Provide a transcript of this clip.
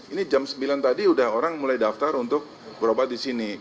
ini jam sembilan tadi sudah orang mulai daftar untuk berobat di sini